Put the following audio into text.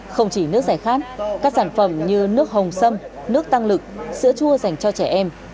không chỉ nước giải khát các sản phẩm như nước hồng sâm nước tăng lực sữa chua dành cho trẻ em